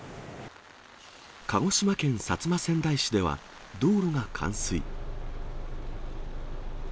鹿児島県薩摩川内市では、道路が冠水。